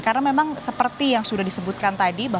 karena memang seperti yang sudah disebutkan tadi